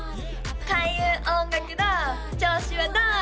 開運音楽堂調子はどう？